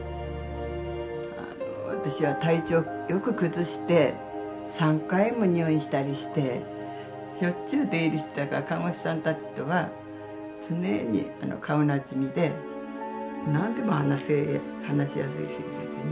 あの私は体調よく崩して３回も入院したりしてしょっちゅう出入りしてたから看護師さんたちとは常に顔なじみで何でも話しやすい先生でね